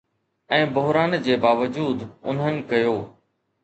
۽ بحران جي باوجود، انهن ڪيو